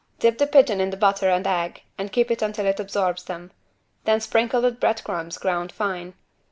Dip the pigeon in the butter and egg and keep it until it absorbs them. Then sprinkle with bread crumbs ground fine.